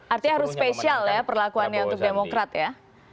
artinya harus spesial ya perlakuannya untuk demokrat ya